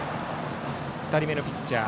２人目のピッチャー